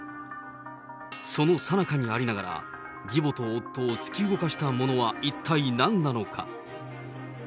そのさなかにありながら、義母と夫を突き動かしたものは一体何なのか。